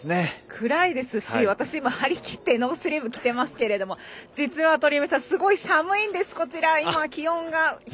暗いですし私は今、張り切ってノースリーブを着ていますが実は鳥海さん、すごい寒いんです。